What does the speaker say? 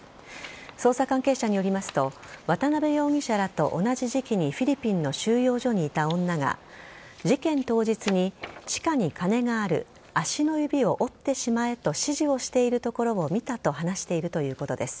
捜査関係者によりますと渡辺容疑者らと同じ時期にフィリピンの収容所にいた女が事件当日に、地下に金がある足の指を折ってしまえと指示をしているところを見たと話しているということです。